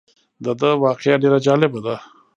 دده واقعه ډېره جالبه ده.